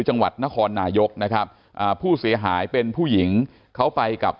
จังหวัดนครนายกนะครับอ่าผู้เสียหายเป็นผู้หญิงเขาไปกับ